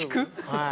はい。